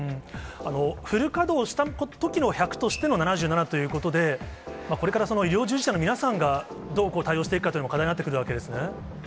フル稼働したときの１００としての７７ということで、これから医療従事者の皆さんが、どう対応していくかというのも課題になってくるわけですね。